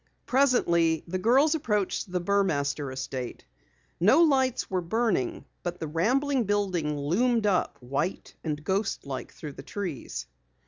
Presently the girls approached the Burmaster estate. No lights were burning, but the rambling building loomed up white and ghost like through the trees.